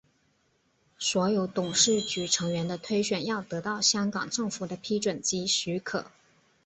所有董事局成员的推选要得到香港政府的批准及许可。